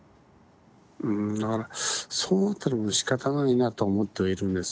うんだからそうなったらもうしかたないなとは思ってはいるんです。